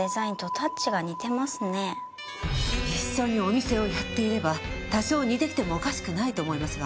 一緒にお店をやっていれば多少似てきてもおかしくないと思いますが。